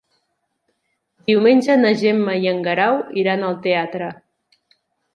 Diumenge na Gemma i en Guerau iran al teatre.